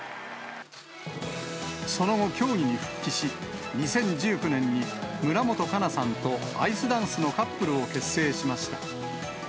その後、競技に復帰し、２０１９年に村元哉中さんとアイスダンスのカップルを結成しました。